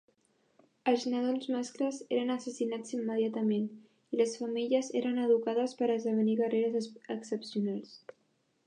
Els nadons mascles eren assassinats immediatament i les femelles eren educades per esdevenir guerreres excepcionals.